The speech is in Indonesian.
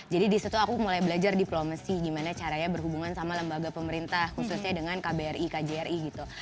jadi disitu aku mulai belajar diplomasi gimana caranya berhubungan sama lembaga pemerintah khususnya dengan kbri kjri gitu